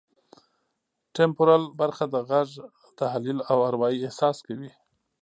ټمپورل برخه د غږ تحلیل او اروايي احساس کوي